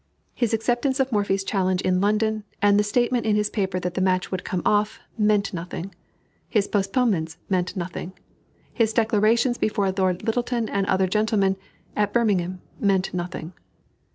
His acceptance of Morphy's challenge in London, and the statement in his paper that the match would come off, meant nothing. His postponements meant nothing. His declarations before Lord Lyttelton and other gentlemen, at Birmingham, meant nothing.